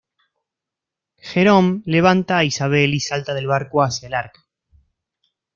Jerome levanta a Isabel y salta del barco hacia el Arca.